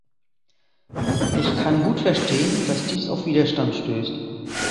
Ich kann gut verstehen, dass dies auf Widerstand stößt.